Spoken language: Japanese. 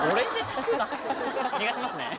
逃がしますね。